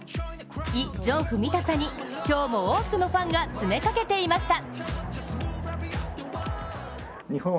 イ・ジョンフ見たさに今日も多くのファンが詰めかけていました。